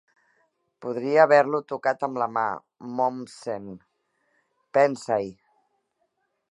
Podria haver-lo tocat amb la mà Mommsen! Pensa-hi!